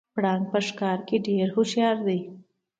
پړانګ په ښکار کې ډیر هوښیار دی